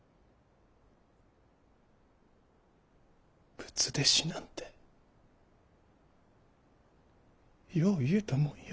仏弟子なんてよう言うたもんや。